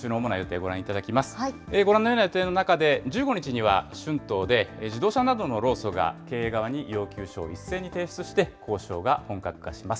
ご覧のような予定の中で、１５日には、春闘で自動車などの労組が経営側に要求書を一斉に提出して、交渉が本格化します。